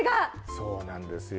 そうなんですよ。